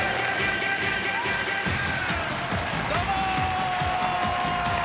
どうも！